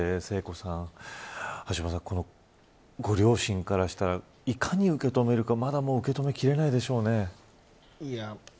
でも、神田さんそして聖子さん橋下さん、ご両親からしたらいかに受け止めるかまだ受け止め切れないでしょうね。